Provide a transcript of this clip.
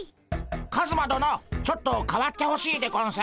カズマどのちょっと代わってほしいでゴンス。